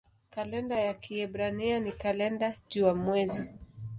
Kalenda ya Kiebrania ni kalenda jua-mwezi.